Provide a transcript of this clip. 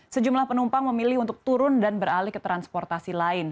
sejumlah penumpang memilih untuk turun dan beralih ke transportasi lain